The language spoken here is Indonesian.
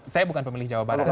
saya bukan pemilih jawa barat ya